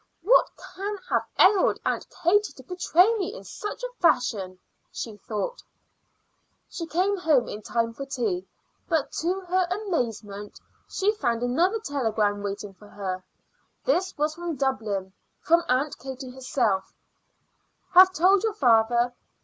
"What can have ailed Aunt Katie to betray me in such a fashion?" she thought. She came home in time for tea; but, to her amazement she found another telegram waiting for her. This was from Dublin, from Aunt Katie herself: "Have told your father.